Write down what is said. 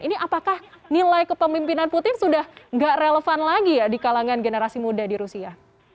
ini apakah nilai kepemimpinan putin sudah nggak relevan lagi ya di kalangan generasi muda di rusia